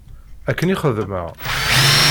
Akken i xeddmeɣ.